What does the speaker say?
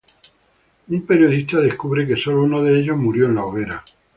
Un periodista descubre que sólo uno de ellos murió en la hoguera.